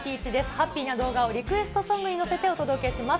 ハッピーな動画をリクエストソングにのせてお届けします。